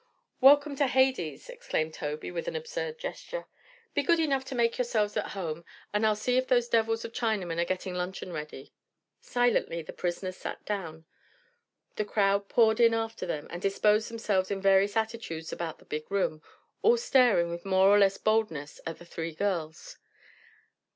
"Welcome to Hades!" exclaimed Tobey, with an absurd gesture. "Be good enough to make yourselves at home and I'll see if those devils of Chinamen are getting luncheon ready." Silently the prisoners sat down. The crowd poured in after them and disposed themselves in various attitudes about the big room, all staring with more or less boldness at the three girls.